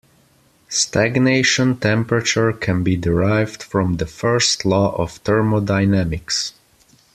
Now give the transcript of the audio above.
Stagnation temperature can be derived from the First Law of Thermodynamics.